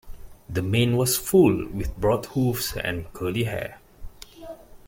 The mane was full, with broad hooves and curly hair.